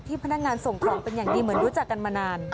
พนักงานส่งของเป็นอย่างดีเหมือนรู้จักกันมานาน